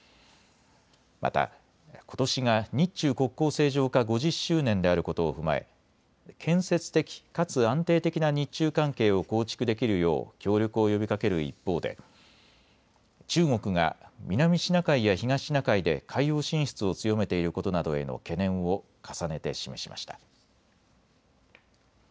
また、ことしが日中国交正常化５０周年であることを踏まえ建設的かつ安定的な日中関係を構築できるよう協力を呼びかける一方で中国が南シナ海や東シナ海で海洋進出を強めていることなどへの懸念を重ねて示しました。